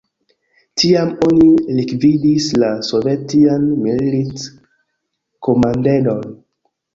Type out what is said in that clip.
Tiam oni likvidis la sovetian milit-komandejon.